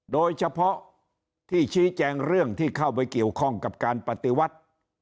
โดยเฉพาะที่ชี้แจงเรื่องที่เข้าไปเกี่ยวข้องกับการปฏิวัติ